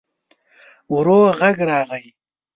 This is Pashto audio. ورو غږ راغی.